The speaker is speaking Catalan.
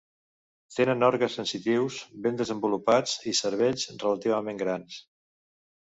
Tenen òrgans sensitius ben desenvolupats i cervells relativament grans.